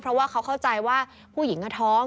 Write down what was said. เพราะว่าเขาเข้าใจว่าผู้หญิงก็ท้อง